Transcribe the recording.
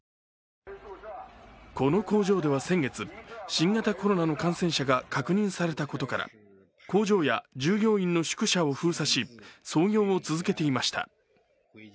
この工場では先月、新型コロナの感染者が確認されたことから工場や従業員の宿舎を封鎖し操業を続けていました。